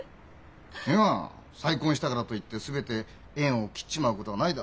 いや再婚したからといって全て縁を切っちまうことはないだろう。